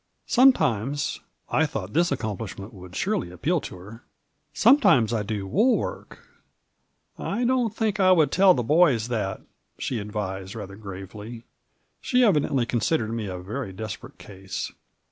Some times" — (I thought this accomplishment would surely appeal to her) — "sometimes I do woolwork 1" "I don't think I would tell the boys that," she advised rather gravely; she evidently considered me a very desperate case.